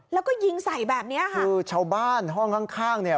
แล้วก็ยิงใส่แบบเนี้ยค่ะคือชาวบ้านห้องข้างข้างเนี่ย